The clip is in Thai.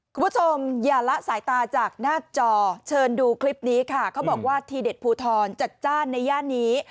คุณผู้ชมอย่าละสายตาจากหน้าจอเชิญดูคลิปนี้ค่ะเขาบอกว่าทีเด็ดภูทรจัดจ้านในย่านนี้